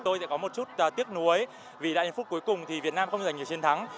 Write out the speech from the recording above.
tôi sẽ có một chút tiếc nuối vì đại diện phút cuối cùng thì việt nam không giành nhiều chiến thắng